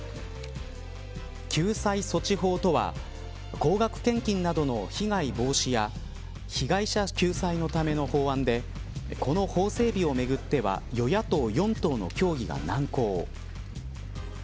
救済措置法とは高額献金などの被害防止や被害者救済のための法案でこの法整備をめぐっては与野党４党の協議が難航。